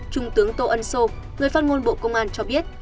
trung tướng tô ân sô người phát ngôn bộ công an cho biết